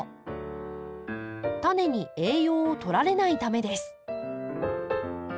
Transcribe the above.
タネに栄養を取られないためです。